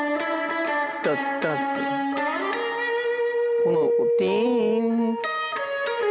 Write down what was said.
この「ティン」。